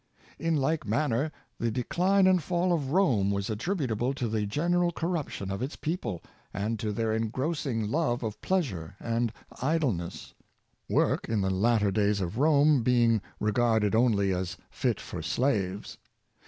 In like manner, the decline and fall of Rome was attributable to the general corruption of its people, and to their engrossing love of pleasure and idleness — work, in the latter days of Rome, being regarded only as fit for slaves.